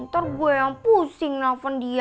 ntar gue yang pusing nelfon dia